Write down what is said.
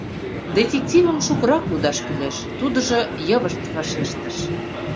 — Детективым шукырак лудаш кӱлеш! — тудыжо йывышт вашештыш.